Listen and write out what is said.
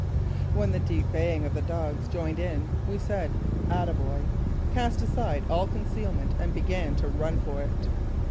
When the deep baying of the dogs joined in we said "Ataboy!" cast aside all concealment and began to run for it.